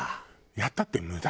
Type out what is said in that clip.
やったって無駄。